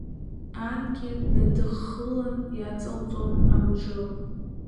Ангьы днадыххылан, иаҵалҵон амҿы.